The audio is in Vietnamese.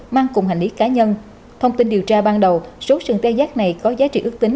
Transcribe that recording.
mang cùng hành lý cá nhân thông tin điều tra ban đầu số sừng tê giác này có giá trị ước tính